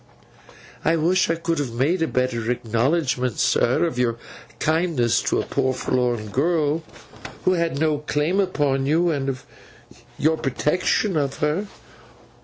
'I wish I could have made a better acknowledgment, sir, of your kindness to a poor forlorn girl who had no claim upon you, and of your protection of her.